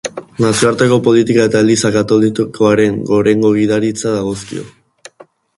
Nazioarteko politika eta Eliza Katolikoaren gorengo gidaritza dagozkio.